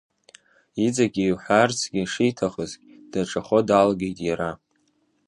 Иҵегьы иҳәарцгьы шиҭахызгь, даҿахо далагеит иара.